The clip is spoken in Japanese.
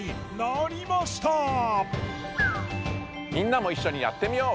みんなもいっしょにやってみよう！